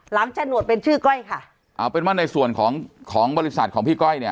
ฉนวดเป็นชื่อก้อยค่ะเอาเป็นว่าในส่วนของของบริษัทของพี่ก้อยเนี่ย